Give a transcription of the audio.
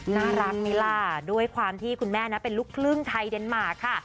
น่ารักไหมล่ะด้วยความที่คุณแม่นะเป็นลูกครึ่งไทยเดนมาร์ค่ะ